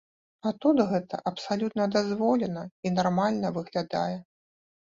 А тут гэта абсалютна дазволена і нармальна выглядае.